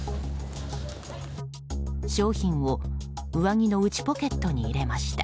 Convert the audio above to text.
商品を上着の内ポケットに入れました。